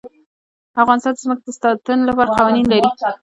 افغانستان د ځمکه د ساتنې لپاره قوانین لري.